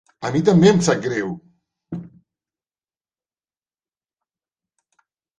A mi també em sap greu.